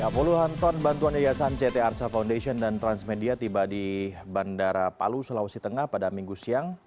puluhan ton bantuan yayasan ct arsa foundation dan transmedia tiba di bandara palu sulawesi tengah pada minggu siang